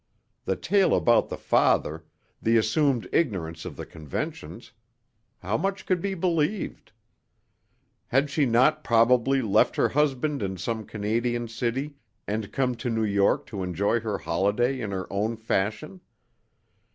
The tale about the father, the assumed ignorance of the conventions how much could be believed? Had she not probably left her husband in some Canadian city and come to New York to enjoy her holiday in her own fashion?